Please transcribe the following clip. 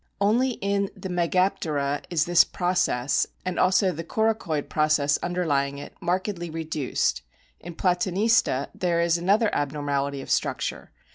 Only in the Megaptera is this process, and also the coracoid process under lying it, markedly reduced. In Platanista there is another abnormality of structure.